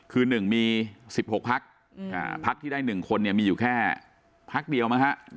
คือ๑มี๑๖พักพักที่ได้๑คนมีอยู่แค่พักเดียว